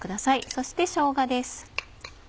そしてしょうがです。